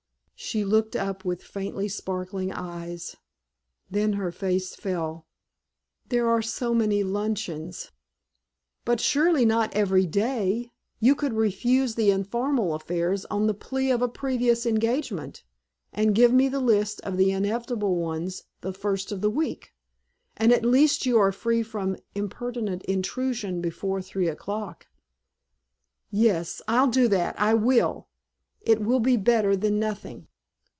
She looked up with faintly sparkling eyes; then her face fell. "There are so many luncheons." "But surely not every day. You could refuse the informal affairs on the plea of a previous engagement, and give me the list of the inevitable ones the first of the week. And at least you are free from impertinent intrusion before three o'clock." "Yes, I'll do that! I will! It will be better than nothing."